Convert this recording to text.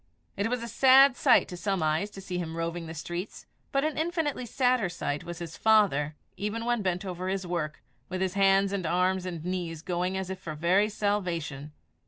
It was a sad sight to some eyes to see him roving the streets, but an infinitely sadder sight was his father, even when bent over his work, with his hands and arms and knees going as if for very salvation.